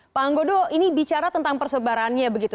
pak anggodo ini bicara tentang persebarannya begitu